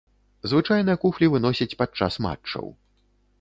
Звычайна куфлі выносяць падчас матчаў.